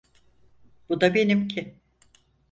Bu da benimki.